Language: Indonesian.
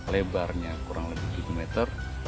lebarnya kurang lebih tujuh meter